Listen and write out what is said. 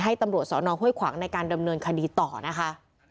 ให้ตำรวจสนเฮ่ยขวางในการดำเนินคดีต่อนะคะ